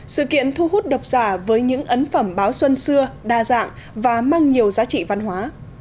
sự kiện thu hút độc giả với những ấn phẩm báo xuân xưa đa dạng và mang nhiều giá trị văn hóa